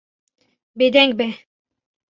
Bêdeng be.